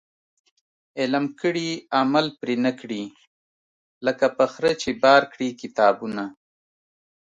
علم کړي عمل پري نه کړي ، لکه په خره چي بار کړي کتابونه